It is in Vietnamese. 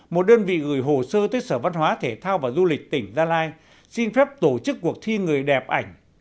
một đơn vị gửi hồ sơ tới sở văn hóa thể thao và du lịch tỉnh gia lai xin phép tổ chức cuộc thi người đẹp ảnh